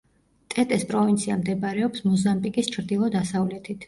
ტეტეს პროვინცია მდებარეობს მოზამბიკის ჩრდილო-დასავლეთით.